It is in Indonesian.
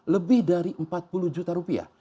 lebih dari empat puluh juta rupiah